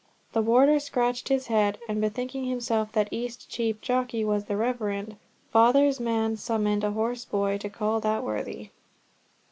The warder scratched his head, and bethinking himself that Eastcheap Jockey was the reverend. Father's man, summoned a horse boy to call that worthy.